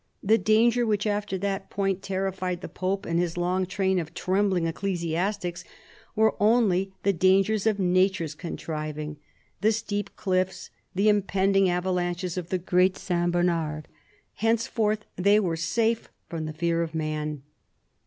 The danger which after that point terrified the pope and his long train of trembling ecclesiastics were only the dangers of nature's contriving, the steep cliffs and impending avalanches of the Great St. Bernard ; henceforth they were safe from the fear of man.